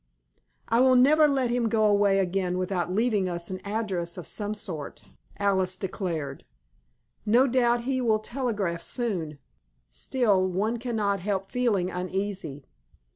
"I will never let him go away again without leaving us an address of some sort," Alice declared. "No doubt he will telegraph soon. Still, one cannot help feeling uneasy."